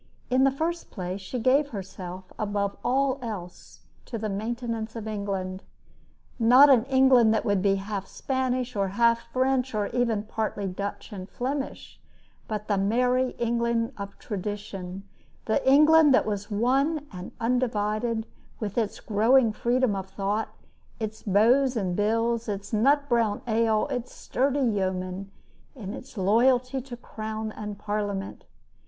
In the first place, she gave herself, above all else, to the maintenance of England not an England that would be half Spanish or half French, or even partly Dutch and Flemish, but the Merry England of tradition the England that was one and undivided, with its growing freedom of thought, its bows and bills, its nut brown ale, its sturdy yeomen, and its loyalty to crown and Parliament.